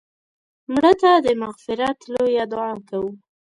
مړه ته د مغفرت لویه دعا کوو